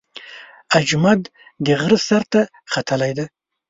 اجمد د غره سر ته ختلی دی.